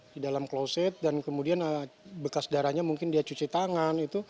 di dalam kloset dan kemudian bekas darahnya mungkin dia cuci tangan